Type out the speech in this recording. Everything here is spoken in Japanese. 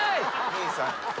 兄さん。